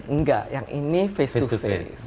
enggak yang ini face to face